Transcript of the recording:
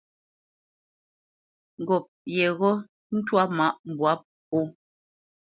Ŋgop yeghó ntwá mâʼ mbwǎ pō.